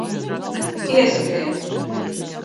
Ieskrie